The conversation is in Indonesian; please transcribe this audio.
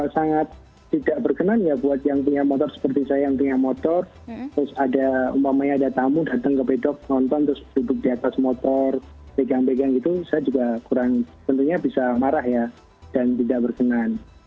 sangat tidak berkenan ya buat yang punya motor seperti saya yang punya motor terus ada umpamanya ada tamu datang ke pedok nonton terus duduk di atas motor pegang pegang gitu saya juga kurang tentunya bisa marah ya dan tidak berkenan